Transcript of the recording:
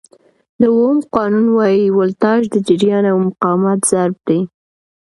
د اوم قانون وایي ولټاژ د جریان او مقاومت ضرب دی.